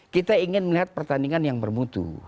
kita ingin melihat pertandingan yang bermutu